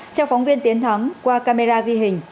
theo phóng viên tiến thắng qua camera ghi hình